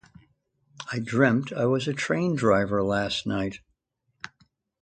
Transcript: I dreamt I was a train driver last night.